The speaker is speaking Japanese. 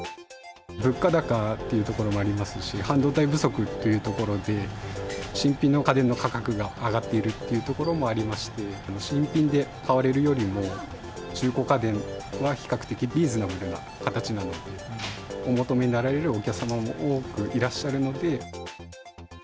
物価高っていうところもありますし、半導体不足っていうところで、新品の家電の価格が上がっているっていうところもありまして、新品で買われるよりも、中古家電は比較的リーズナブルな形なので、お求めになられるお客様も多くいらっしゃるので。